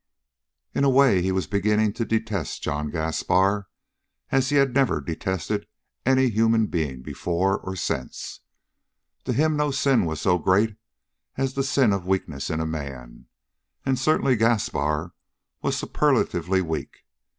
In a way he was beginning to detest John Gaspar as he had never detested any human being before or since. To him no sin was so great as the sin of weakness in a man, and certainly Gaspar was superlatively weak.